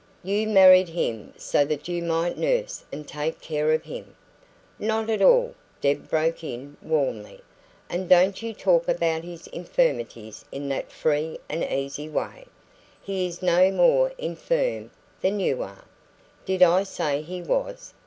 You married him so that you might nurse and take care of him " "Not at all!" Deb broke in warmly. "And don't you talk about his infirmities in that free and easy way; he is no more infirm than you are. Did I say he was?